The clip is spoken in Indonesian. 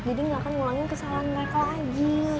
jadi gak akan ngulangin kesalahan mereka lagi